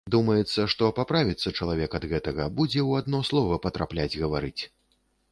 Думаецца, што паправіцца чалавек ад гэтага, будзе ў адно слова патрапляць гаварыць.